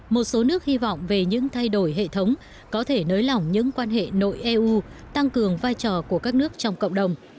một số nước hy vọng về những thay đổi hệ thống có thể nới lỏng những quan hệ nội eu tăng cường vai trò của các nước trong cộng đồng